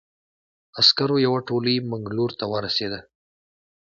عسکرو یوه تولۍ منګلور ته ورسېده.